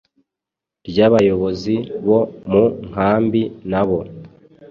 ryabayobozi bo mu nkambi n’abo